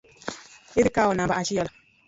Idhi kawo namba achiel.